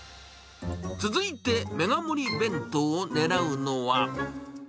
続いてメガ盛り弁当を狙うのは。